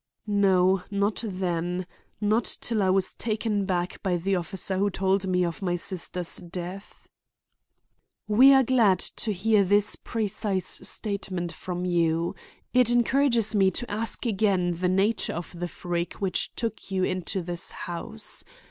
"No, not then; not till I was taken back by the officer who told me of my sister's death." "We are glad to hear this precise statement from you. It encourages me to ask again the nature of the freak which took you into this house.